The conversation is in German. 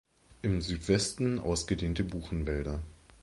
Im Südwesten ausgedehnte Buchenwälder.